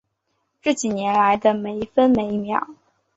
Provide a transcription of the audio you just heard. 这几年来的每一分一秒